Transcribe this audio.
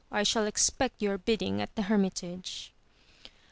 I shall expect your bidding at the hermitage.